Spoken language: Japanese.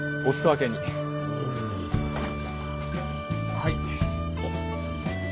はい。